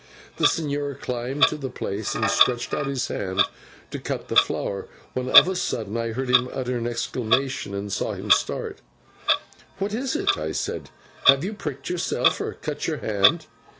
The señor climbed to the place and stretched out his hand to cut the flower, when of a sudden I heard him utter an exclamation and saw him start. "What is it?" I said, "have you pricked yourself or cut your hand?"